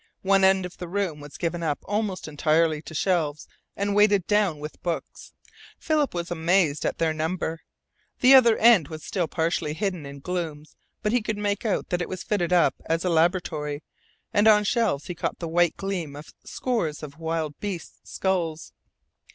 One end of the room was given up almost entirely to shelves and weighted down with books. Philip was amazed at their number. The other end was still partially hidden in glooms but he could make out that it was fitted up as a laboratory, and on shelves he caught the white gleam of scores of wild beast skulls.